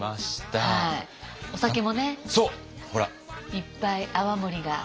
いっぱい泡盛が。